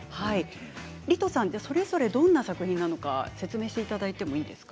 リトさん、それぞれどんな作品か説明していただいてもいいですか。